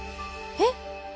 えっ？